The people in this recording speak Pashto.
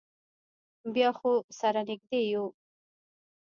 بیا خو سره نږدې یو.